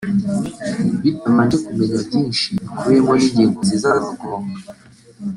bitabanje kumenya byinshi bikubiyemo n’ingingo zizabigonga